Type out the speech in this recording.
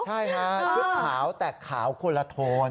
ใช่ฮะชุดขาวแต่ขาวคนละโทน